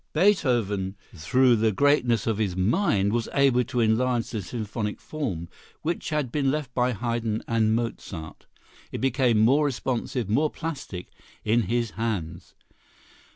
Beethoven through the greatness of his mind was able to enlarge the symphonic form, which had been left by Haydn and Mozart. It became more responsive, more plastic, in his hands.